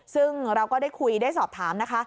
ซึ่งเราก็ได้คุยได้สอบถามนะคะ